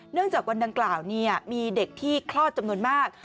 เนื่องจากวันดังกล่าวเนี่ยมีเด็กที่คลอดจำนวนมาก